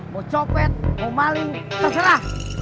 mau copet mau maling terserah